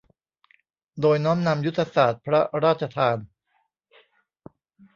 โดยน้อมนำยุทธศาสตร์พระราชทาน